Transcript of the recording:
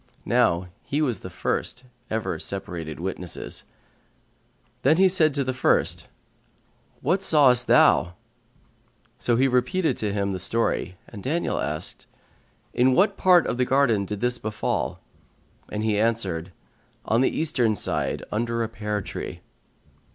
(Now he was the first ever separated witnesses.) Then said he to the first, "What sawest thou?"[FN#139] So he repeated to him his story, and Daniel asked, "In what part of the garden did this befal?" and he answered, "On the eastern side, under a pear tree."